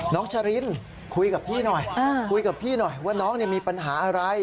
น้องชะรินคุยกับพี่หน่อยว่าน้องมีปัญหาอะไร